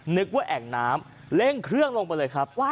นึกว่าแอ่งน้ำเร่งเครื่องลงไปเลยครับ